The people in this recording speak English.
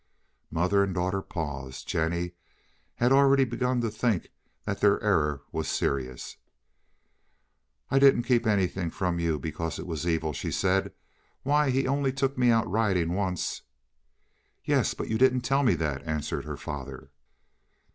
Mother and daughter paused. Jennie had already begun to think that their error was serious. "I didn't keep anything from you because it was evil," she said. "Why, he only took me out riding once." "Yes, but you didn't tell me that," answered her father.